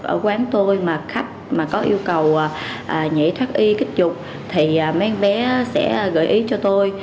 ở quán tôi mà khách mà có yêu cầu nhảy thoát y kích dục thì mấy bé sẽ gợi ý cho tôi